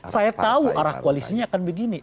saya tahu arah koalisinya akan begini